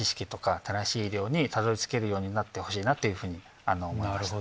ようになってほしいなというふうに思いました。